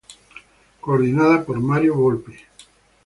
Coordinada por Mario Volpi.